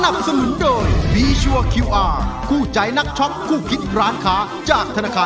คือร้องได้ให้ร้อง